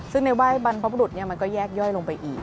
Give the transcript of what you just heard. ซึ่งในไหว้บรรพบุรุษมันก็แยกย่อยลงไปอีก